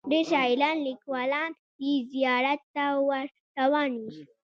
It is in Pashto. ډیر شاعران لیکوالان یې زیارت ته ور روان وي.